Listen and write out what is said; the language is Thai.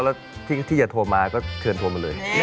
แล้วที่อยากโทรมาก็เผื่อโทรมาเลย